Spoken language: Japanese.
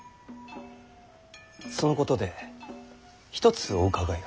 そのことで一つお伺いが。